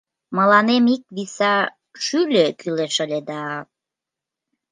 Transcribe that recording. Мыланем ик виса шӱльӧ кӱлеш ыле да...